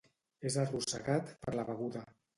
És arrossegat per la beguda.